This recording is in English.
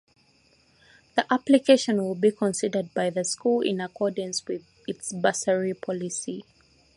The application will be considered by the school in accordance with its bursary policy.